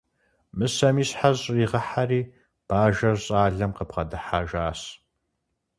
Мыщэм и щхьэр щӏригъэхьэри, бажэр щӏалэм къыбгъэдыхьэжащ.